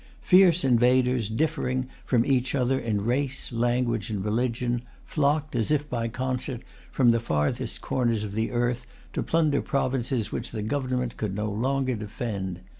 Fierce invaders, differing, from each other in race, language, and religion, flocked, as if by concert, from the farthest corners of the earth, to plunder provinces which the government could no longer defend.